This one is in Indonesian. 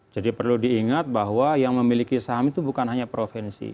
jadi perlu diingat bahwa yang memiliki saham itu bukan hanya provinsi